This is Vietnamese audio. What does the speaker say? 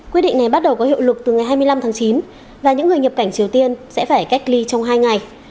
quy định này bắt đầu có hiệu lực từ ngày hai mươi năm tháng chín và những người nhập cảnh triều tiên sẽ phải cách ly trong hai ngày